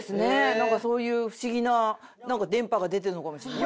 なんかそういう不思議ななんか電波が出てるのかもしれない。